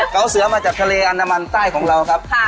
เกาเสือมาจากทะเลอันดามันใต้ของเราครับ